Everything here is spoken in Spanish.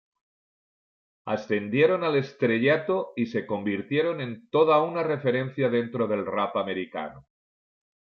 Ascendieron al estrellato y se convirtieron en todo una referencia dentro del rap americano.